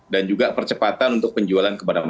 dan juga percepatan untuk penjualan